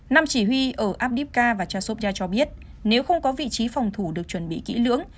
năm chỉ huy ở abdifka và chashopia cho biết nếu không có vị trí phòng thủ được chuẩn bị kỹ lưỡng